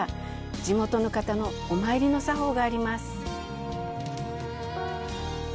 地元の方のお参りの作法があります。